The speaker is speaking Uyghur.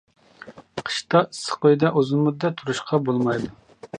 قىشتا ئىسسىق ئۆيدە ئۇزۇن مۇددەت تۇرۇشقا بولمايدۇ.